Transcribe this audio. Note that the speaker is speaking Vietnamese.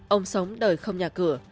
ông sống đời không nhà cửa